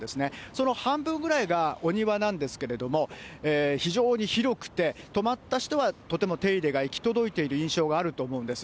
その半分くらいがお庭なんですけれども、非常に広くて、泊まった人はとても手入れが行き届いている印象があると思うんです。